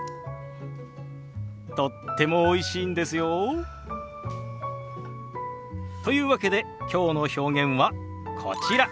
とってもおいしいんですよ。というわけできょうの表現はこちら。